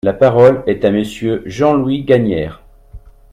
La parole est à Monsieur Jean-Louis Gagnaire.